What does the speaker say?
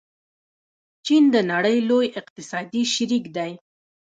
چین د نړۍ لوی اقتصادي شریک دی.